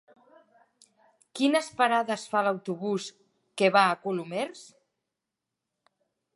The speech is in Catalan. Quines parades fa l'autobús que va a Colomers?